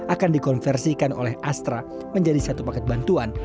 akan dikonversikan oleh astra menjadi satu paket bantuan